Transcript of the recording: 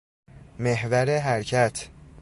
محور حرکت